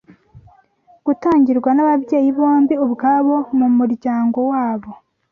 gutangirwa n’ababyeyi bombi ubwabo, mu muryango wabo